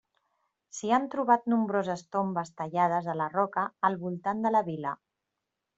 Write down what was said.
S'hi han trobat nombroses tombes tallades a la roca al voltant de la vila.